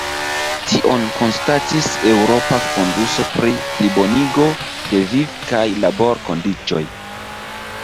Tion konstatis eŭropa fonduso pri plibonigo de viv- kaj labor-kondiĉoj.